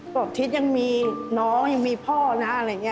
ทิศยังมีน้องยังมีพ่อนะอะไรอย่างนี้